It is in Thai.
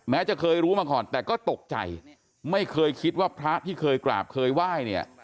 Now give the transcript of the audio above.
จะเคยรู้มาก่อนแต่ก็ตกใจไม่เคยคิดว่าพระที่เคยกราบเคยไหว้เนี่ย